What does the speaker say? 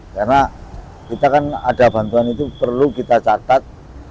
karena kita kan ada bantuan itu perlu kita catat